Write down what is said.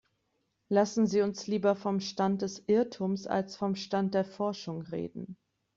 Lassen Sie uns lieber vom Stand des Irrtums als vom Stand der Forschung reden.